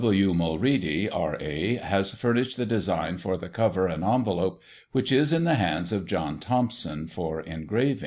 W. Mulready, R.A., has furnished the design for the cover and envelope, which is in the hands of John Thompson for engraving."